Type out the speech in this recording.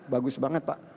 bagus banget pak